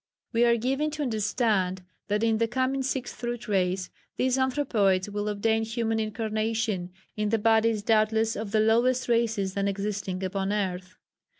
We are given to understand that in the coming Sixth Root Race, these anthropoids will obtain human incarnation, in the bodies doubtless of the lowest races then existing upon earth.